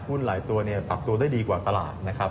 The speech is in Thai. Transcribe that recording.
หุ้นหลายตัวปรับตัวได้ดีกว่าตลาดนะครับ